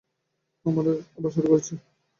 আবার শুরু করছি।